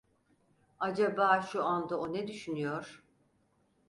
Acaba şu anda o ne düşünüyor?